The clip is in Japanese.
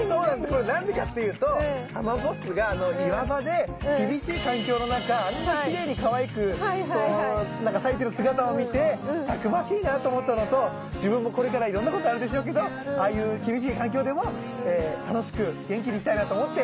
これ何でかっていうとハマボッスが岩場で厳しい環境の中あんなきれいにかわいく咲いてる姿を見てたくましいなと思ったのと自分もこれからいろんなことあるでしょうけどああいう厳しい環境でも楽しく元気に行きたいなと思って。